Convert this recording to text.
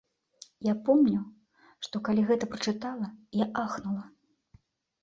Я помню, што калі гэта прачытала, я ахнула.